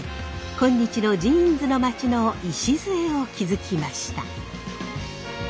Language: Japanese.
今日のジーンズの町の礎を築きました。